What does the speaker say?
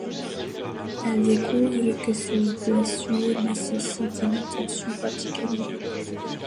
Elle découvre que ses blessures nécessitent une attention particulière.